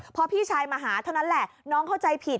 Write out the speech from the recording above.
พอพี่ชายมาหาเท่านั้นแหละน้องเข้าใจผิด